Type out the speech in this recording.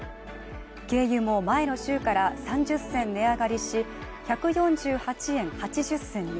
軽油も前の週から３０銭値上がりし、１４８円８０銭。